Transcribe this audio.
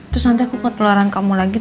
terus nanti aku ke telaran kamu lagi